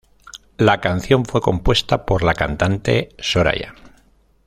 La canción fue compuesta por la cantante Soraya.